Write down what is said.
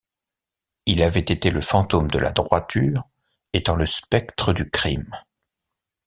Il avait été le fantôme de la droiture, étant le spectre du crime.